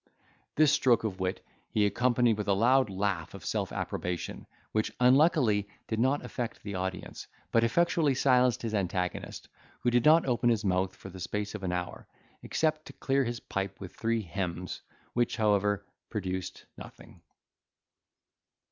This stroke of wit he accompanied with a loud laugh of self approbation, which unluckily did not affect the audience, but effectually silenced his antagonist, who did not open his mouth for the space of an hour, except to clear his pipe with three hems, which however, produced nothing.